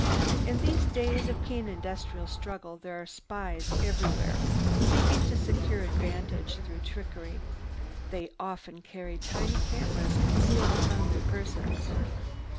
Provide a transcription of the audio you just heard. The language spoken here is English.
In these days of keen industrial struggle there are spies everywhere seeking to secure advantages through trickery. They often carry tiny cameras concealed upon their persons.